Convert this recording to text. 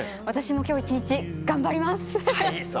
私も今日一日頑張ります！